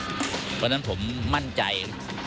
เพราะฉะนั้นผมมั่นใจ